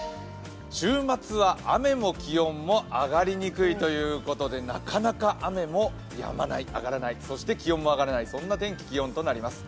週末は雨も気温も上がりにくいということでなかなか雨もやまない上がらないそして気温も上がらない、そんな天気、気温となります。